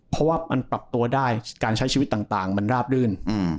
เพราะว่ามันปรับตัวได้การใช้ชีวิตต่างมันราบรื่น